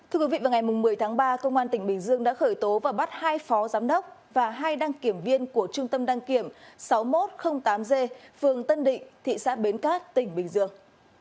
thưa quý vị vào ngày một mươi tháng ba công an tỉnh bình dương đã khởi tố và bắt hai phó giám đốc và hai đăng kiểm viên của trung tâm đăng kiểm sáu nghìn một trăm linh tám g phường tân định thị xã bến cát tỉnh bình dương